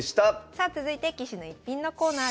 さあ続いて「棋士の逸品」のコーナーです。